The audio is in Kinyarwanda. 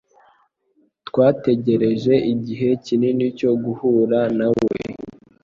Twategereje igihe kinini cyo guhura nawe.